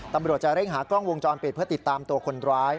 ตำรวจจะเร่งหากล้องวงจรปิดเพื่อติดตามตัวคนร้าย